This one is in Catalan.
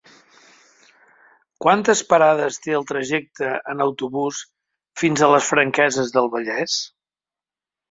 Quantes parades té el trajecte en autobús fins a les Franqueses del Vallès?